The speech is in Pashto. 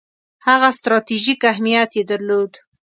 هغه ستراتیژیک اهمیت یې درلود.